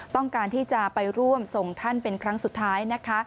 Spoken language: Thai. ต้องการที่จะไปร่วมส่งท่านเป็นครั้งสุดท้ายนะคะ